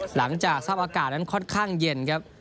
หลังจากทรัพย์อากาศนั้นค่อนข้างเย็นครับ